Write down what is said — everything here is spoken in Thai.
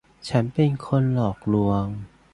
ฉันเป็นคนหลอกลวง